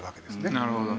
なるほど。